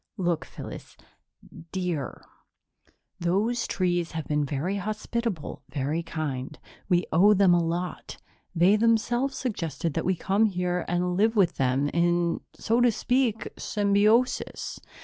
"Look, Phyllis dear those trees have been very hospitable, very kind. We owe them a lot. They themselves suggested that we come here and live with them in, so to speak, symbiosis."